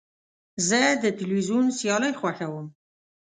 زه د تلویزیون سیالۍ خوښوم.